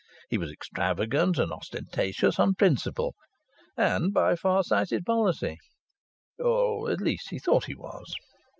He was extravagant and ostentatious on principle, and by far sighted policy or, at least, he thought that he was.